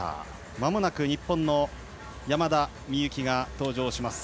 まもなく日本の山田美幸が登場します。